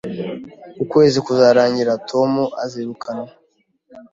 Ukwezi kuzarangira Tom azirukanwa